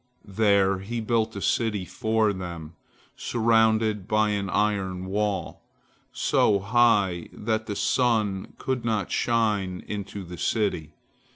There he built a city for them, surrounded by an iron wall, so high that the sun could not shine into the city.